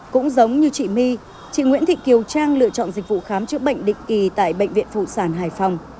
cũng giống như chị my chị nguyễn thị kiều trang lựa chọn dịch vụ khám chữa bệnh định kỳ tại bệnh viện phụ sản hải phòng